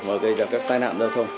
mà gây ra các tai nạn giao thông